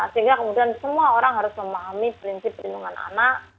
sehingga kemudian semua orang harus memahami prinsip perlindungan anak